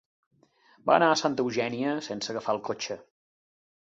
Va anar a Santa Eugènia sense agafar el cotxe.